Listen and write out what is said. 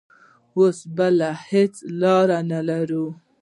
اوس بله هېڅ لار نه لرو.